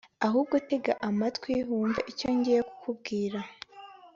ahubwo tega amatwi wumve icyo ngiye kukubwira